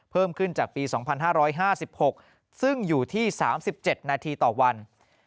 เพิ่มขึ้นจากปี๒๕๕๖ซึ่งอยู่ที่๓๗นาทีต่อวัน